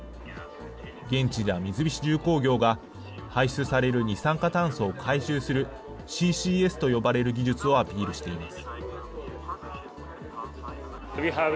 現地では三菱重工業が、排出される二酸化炭素を回収するＣＣＳと呼ばれる技術をアピールしています。